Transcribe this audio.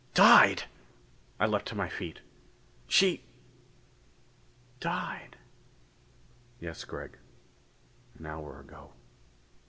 "Died!..." I leaped to my feet. "She ... died...." "Yes, Gregg. An hour ago.